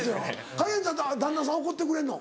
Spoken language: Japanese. カレンちゃん旦那さん怒ってくれんの？